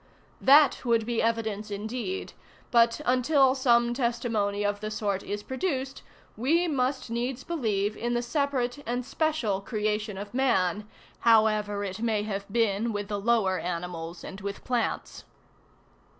That would be evidence indeed: but until some testimony of the sort is produced, we must needs believe in the separate and special creation of man, however it may have been with the lower animals and with plants.